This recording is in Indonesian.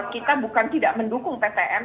kita bukan tidak mendukung ptm